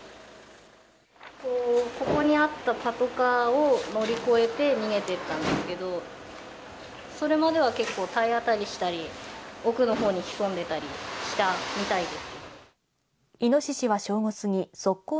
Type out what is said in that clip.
ここにあったパトカーを乗り越えて逃げていったんですけど、それまでは結構、体当たりしたり、奥のほうに潜んでいたりしてたみたいです。